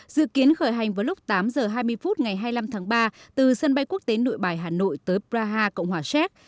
dự kiến khởi hành vào lúc tám h hai mươi phút ngày hai mươi năm tháng ba từ sân bay quốc tế nội bài hà nội tới braha cộng hòa séc